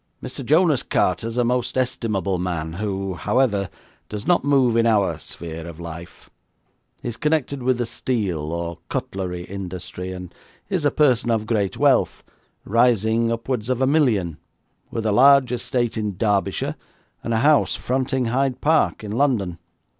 'Mr. Jonas Carter is a most estimable man, who, however, does not move in our sphere of life. He is connected with the steel or cutlery industry, and is a person of great wealth, rising upwards of a million, with a large estate in Derbyshire, and a house fronting Hyde Park, in London.